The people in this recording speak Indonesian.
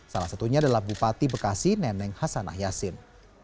salah satunya adalah bupati bekasi neneng hasanah yassin